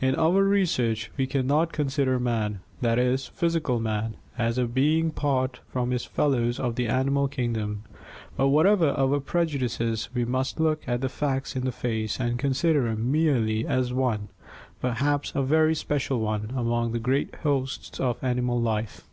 In our research we can not consider man, that is, physical man, as a being apart from his fellows of the animal kingdom ; but whatever our prejudices we must look the facts in the face and consider him merely as one, perhaps a very special one, among the great hosts of animal life.